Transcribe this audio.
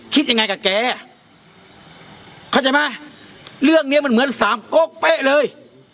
คิดยังไงกับแกเข้าใจไหมเรื่องเนี้ยมันเหมือนสามกกเป๊ะเลย